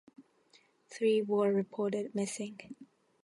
Three were reported missing.